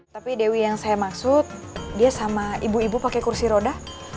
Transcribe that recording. tapi dewi yang saya maksud dia sama ibu ibu pakai kursi roda